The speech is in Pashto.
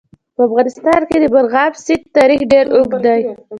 په افغانستان کې د مورغاب سیند تاریخ ډېر اوږد دی.